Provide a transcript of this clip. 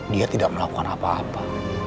dia tidak melakukan apa apa